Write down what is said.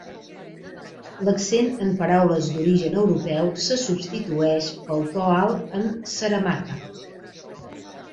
L'accent en paraules d'origen europeu se substitueix pel to alt en Saramacca.